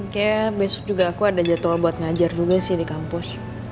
kayaknya besok juga aku ada jadwal buat ngajar juga sih di kampus